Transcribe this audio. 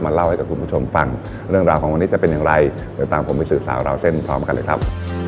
เล่าให้กับคุณผู้ชมฟังเรื่องราวของวันนี้จะเป็นอย่างไรเดี๋ยวตามผมไปสื่อสาวราวเส้นพร้อมกันเลยครับ